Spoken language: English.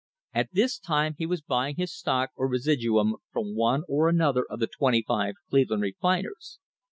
At this time he was buying his stock or residuum from one or another of the twenty five Cleveland refiners.